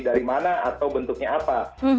dari mana atau bentuknya apa